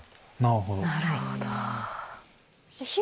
なるほど。